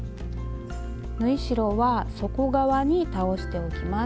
縫い代は底側に倒しておきます。